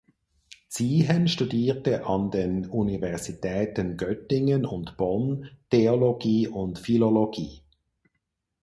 Ziehen studierte an den Universitäten Göttingen und Bonn Theologie und Philologie.